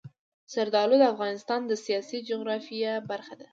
زردالو د افغانستان د سیاسي جغرافیه برخه ده.